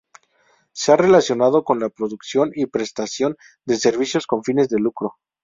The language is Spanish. Se ha relacionado con la producción y prestación de servicios con fines de lucro.